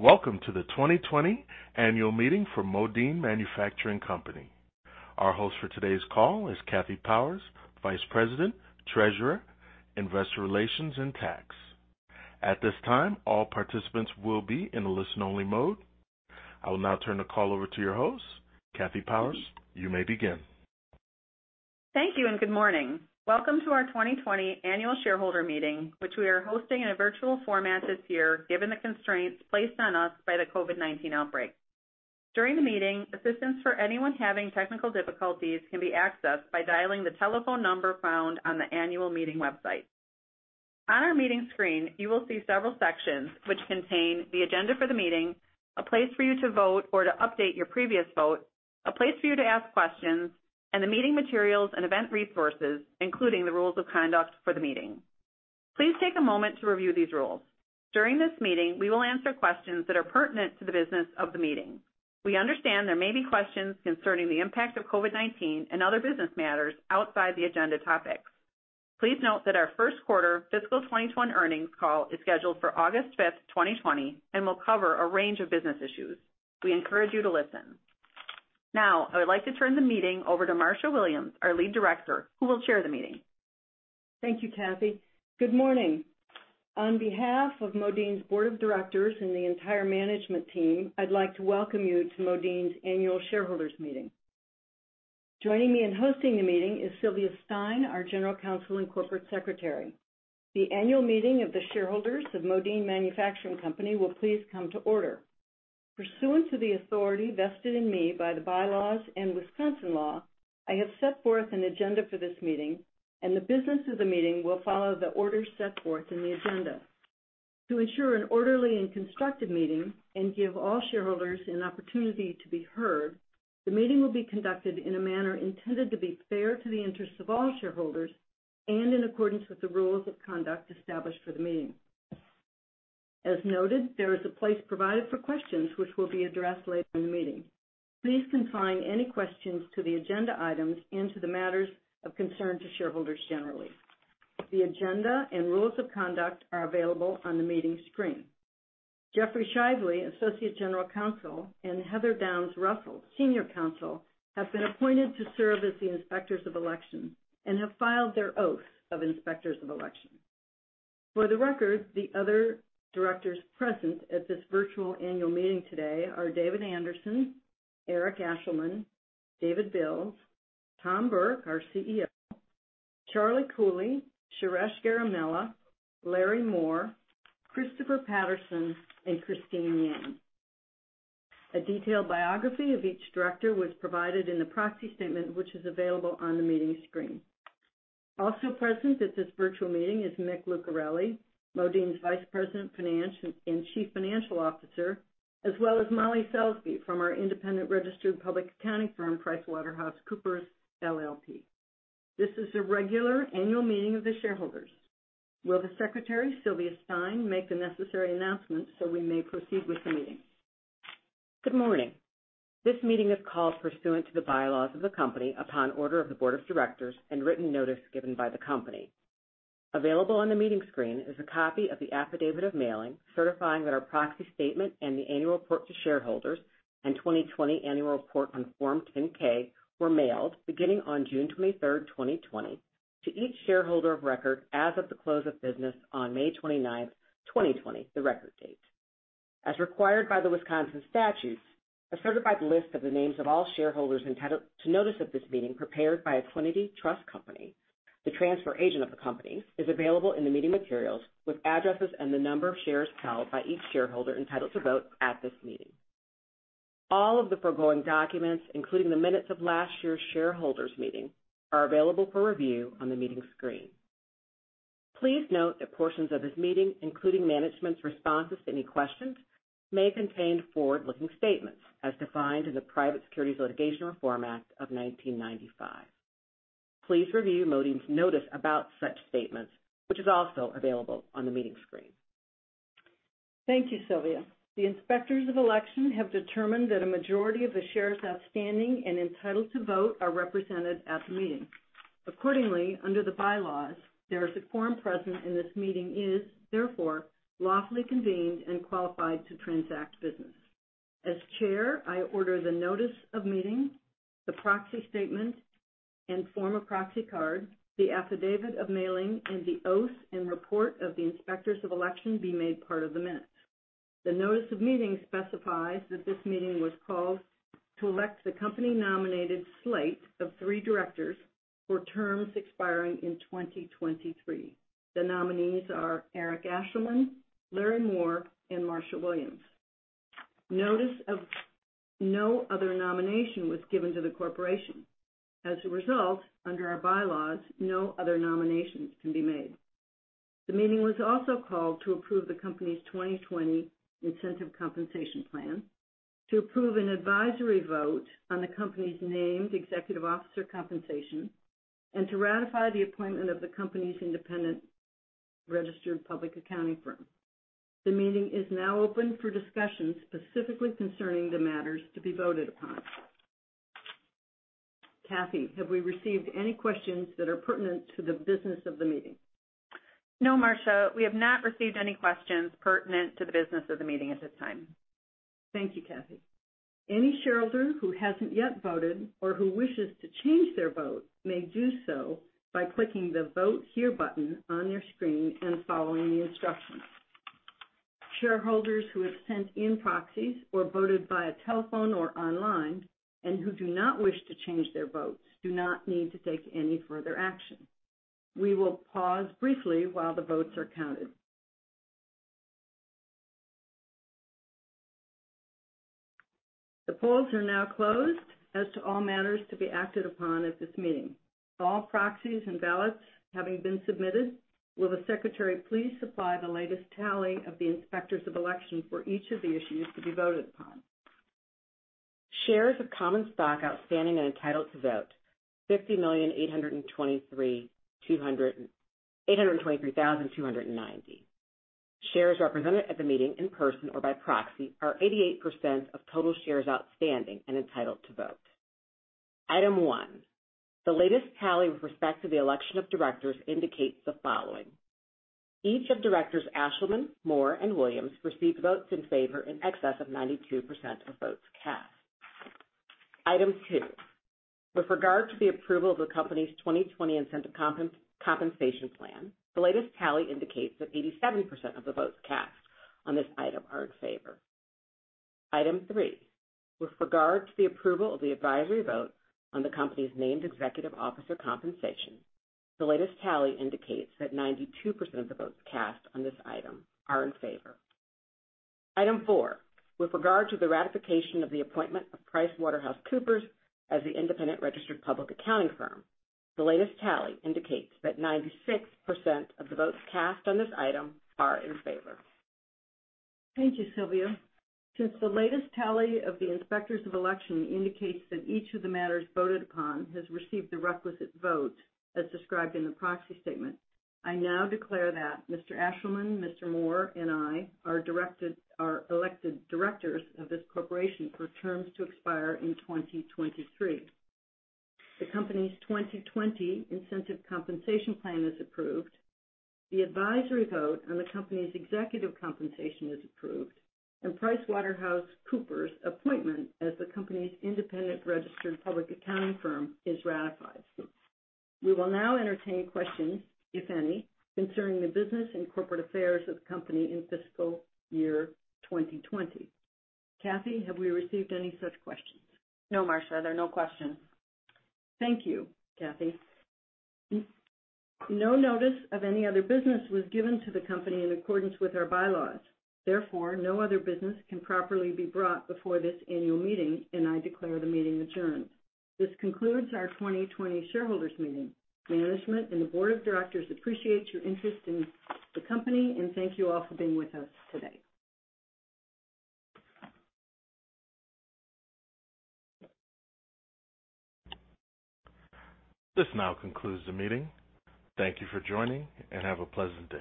Welcome to the 2020 Annual Meeting for Modine Manufacturing Company. Our host for today's call is Kathy Powers, Vice President, Treasurer, Investor Relations, and Tax. At this time, all participants will be in a listen-only mode. I will now turn the call over to your host. Kathy Powers, you may begin. Thank you, and good morning. Welcome to our 2020 Annual Shareholder Meeting, which we are hosting in a virtual format this year, given the constraints placed on us by the COVID-19 outbreak. During the meeting, assistance for anyone having technical difficulties can be accessed by dialing the telephone number found on the annual meeting website. On our meeting screen, you will see several sections which contain the agenda for the meeting, a place for you to vote or to update your previous vote, a place for you to ask questions, and the meeting materials and event resources, including the rules of conduct for the meeting. Please take a moment to review these rules. During this meeting, we will answer questions that are pertinent to the business of the meeting. We understand there may be questions concerning the impact of COVID-19 and other business matters outside the agenda topics. Please note that our first quarter fiscal 2021 earnings call is scheduled for August 5, 2020, and will cover a range of business issues. We encourage you to listen. Now, I would like to turn the meeting over to Marsha Williams, our Lead Director, who will chair the meeting. Thank you, Kathy. Good morning. On behalf of Modine's Board of Directors and the entire management team, I'd like to welcome you to Modine's Annual Shareholders Meeting. Joining me in hosting the meeting is Sylvia Stein, our General Counsel and Corporate Secretary. The annual meeting of the shareholders of Modine Manufacturing Company will please come to order. Pursuant to the authority vested in me by the bylaws and Wisconsin law, I have set forth an agenda for this meeting, and the business of the meeting will follow the order set forth in the agenda. To ensure an orderly and constructive meeting, and give all shareholders an opportunity to be heard, the meeting will be conducted in a manner intended to be fair to the interests of all shareholders and in accordance with the rules of conduct established for the meeting. As noted, there is a place provided for questions which will be addressed later in the meeting. Please confine any questions to the agenda items and to the matters of concern to shareholders generally. The agenda and rules of conduct are available on the meeting screen. Jeffrey Shively, Associate General Counsel, and Heather Downs Russell, Senior Counsel, have been appointed to serve as the Inspectors of Election and have filed their Oath of Inspectors of Election. For the record, the other directors present at this virtual annual meeting today are David Anderson, Eric Ashleman, David Bills, Tom Burke, our CEO, Charlie Cooley, Suresh Garimella, Larry Moore, Christopher Patterson, and Christine Y. Yan. A detailed biography of each director was provided in the Proxy Statement, which is available on the meeting screen. Also present at this virtual meeting is Mick Lucarelli, Modine's Vice President and Chief Financial Officer, as well as Molly Selke, from our independent registered public accounting firm, PricewaterhouseCoopers, LLP. This is a regular annual meeting of the shareholders. Will the Secretary, Sylvia Stein, make the necessary announcements so we may proceed with the meeting? Good morning. This meeting is called pursuant to the bylaws of the company upon order of the Board of Directors and written notice given by the company. Available on the meeting screen is a copy of the Affidavit of Mailing, certifying that our proxy statement and the annual report to shareholders and the 2020 annual report on Form 10-K were mailed beginning on June 23, 2020, to each shareholder of record as of the close of business on May 29, 2020, the record date. As required by the Wisconsin statutes, a certified list of the names of all shareholders entitled to notice of this meeting, prepared by Equiniti Trust Company, the transfer agent of the company, is available in the meeting materials with addresses and the number of shares held by each shareholder entitled to vote at this meeting. All of the foregoing documents, including the minutes of last year's shareholders meeting, are available for review on the meeting screen. Please note that portions of this meeting, including management's responses to any questions, may contain forward-looking statements as defined in the Private Securities Litigation Reform Act of 1995. Please review Modine's notice about such statements, which is also available on the meeting screen. Thank you, Sylvia. The Inspectors of Election have determined that a majority of the shares outstanding, and entitled to vote are represented at the meeting. Accordingly, under the bylaws, there is a quorum present, and this meeting is, therefore, lawfully convened and qualified to transact business. As chair, I order the notice of meeting, the Proxy Statement and form of proxy card, the affidavit of mailing, and the oath and report of the Inspectors of Election be made part of the minutes. The notice of meeting specifies that this meeting was called to elect the company-nominated slate of 3 directors for terms expiring in 2023. The nominees are Eric Ashleman, Larry Moore, and Marsha Williams. Notice of no other nomination was given to the corporation. As a result, under our bylaws, no other nominations can be made. The meeting was also called to approve the company's 2020 incentive compensation plan, to approve an advisory vote on the company's named executive officer compensation, and to ratify the appointment of the company's independent registered public accounting firm. The meeting is now open for discussion specifically concerning the matters to be voted upon. Kathy, have we received any questions that are pertinent to the business of the meeting? No, Marsha, we have not received any questions pertinent to the business of the meeting at this time. Thank you, Kathy. Any shareholder who hasn't yet voted or who wishes to change their vote may do so by clicking the Vote Here button on your screen and following the instructions. Shareholders who have sent in proxies or voted via telephone or online, and who do not wish to change their votes, do not need to take any further action. We will pause briefly while the votes are counted. The polls are now closed as to all matters to be acted upon at this meeting. All proxies and ballots having been submitted, will the Secretary please supply the latest tally of the inspectors of election for each of the issues to be voted upon? Shares of common stock outstanding and entitled to vote, 50,823,290. Shares represented at the meeting in person or by proxy are 88% of total shares outstanding, and entitled to vote. Item one: The latest tally with respect to the election of directors indicates the following: Each of Directors Ashelman, Moore, and Williams received votes in favor in excess of 92% of votes cast. Item two: With regard to the approval of the company's 2020 incentive compensation plan, the latest tally indicates that 87% of the votes cast on this item are in favor. Item three: With regard to the approval of the advisory vote on the company's named executive officer compensation, the latest tally indicates that 92% of the votes cast on this item are in favor. Item 4: With regard to the ratification of the appointment of PricewaterhouseCoopers as the independent registered public accounting firm, the latest tally indicates that 96% of the votes cast on this item are in favor. Thank you, Sylvia. Since the latest tally of the inspectors of election indicates that each of the matters voted upon has received the requisite vote as described in the proxy statement, I now declare that Mr. Ashelman, Mr. Moore, and I are elected directors of this corporation for terms to expire in 2023. The company's 2020 incentive compensation plan is approved, the advisory vote on the company's executive compensation is approved, and PricewaterhouseCoopers' appointment as the company's independent registered public accounting firm is ratified. We will now entertain questions, if any, concerning the business and corporate affairs of the company in fiscal year 2020. Kathy, have we received any such questions? No, Marsha, there are no questions. Thank you, Kathy. No notice of any other business was given to the company in accordance with our bylaws. Therefore, no other business can properly be brought before this annual meeting, and I declare the meeting adjourned. This concludes our 2020 shareholders meeting. Management and the board of directors appreciate your interest in the company, and thank you all for being with us today. This now concludes the meeting. Thank you for joining, and have a pleasant day.